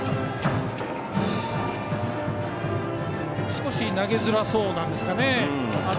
少し投げづらそうなんですかね。